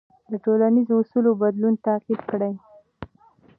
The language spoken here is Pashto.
د ټولنیزو اصولو بدلون تعقیب کړه.